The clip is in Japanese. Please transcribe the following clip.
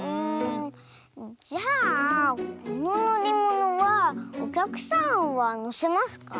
じゃあこののりものはおきゃくさんはのせますか？